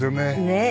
ねえ。